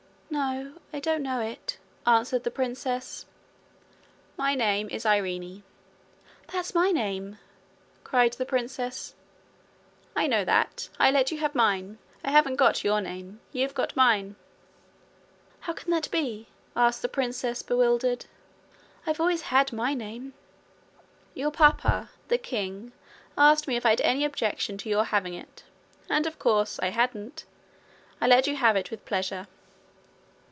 'No, I don't know it,' answered the princess. 'My name is Irene.' 'That's my name!' cried the princess. 'I know that. I let you have mine. I haven't got your name. You've got mine.' 'How can that be?' asked the princess, bewildered. 'I've always had my name.' 'Your papa, the king, asked me if I had any objection to your having it; and, of course, I hadn't. I let you have it with pleasure.'